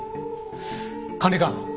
管理官。